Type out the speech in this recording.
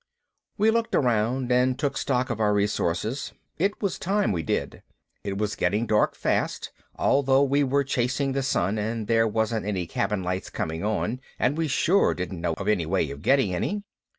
We looked around and took stock of our resources. It was time we did. It was getting dark fast, although we were chasing the sun, and there weren't any cabin lights coming on and we sure didn't know of any way of getting any.